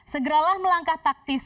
segeralah melangkah taktis